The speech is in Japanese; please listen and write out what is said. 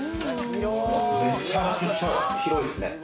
めちゃくちゃ広いですね。